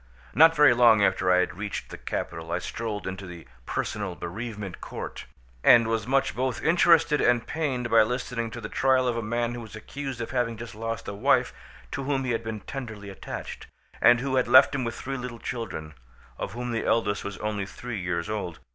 Not very long after I had reached the capital I strolled into the Personal Bereavement Court, and was much both interested and pained by listening to the trial of a man who was accused of having just lost a wife to whom he had been tenderly attached, and who had left him with three little children, of whom the eldest was only three years old.